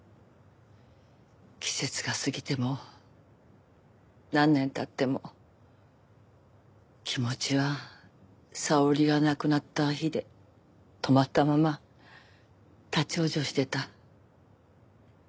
季節が過ぎても何年経っても気持ちは沙織が亡くなった日で止まったまま立ち往生してた。